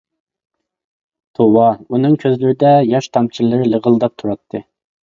توۋا، ئۇنىڭ كۆزلىرىدە ياش تامچىلىرى لىغىرلاپ تۇراتتى.